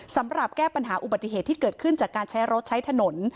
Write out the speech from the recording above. สำหรับแก้ปัญหาอุบัติเหตุที่เกิดขึ้นจากการใช้รถใช้ถนน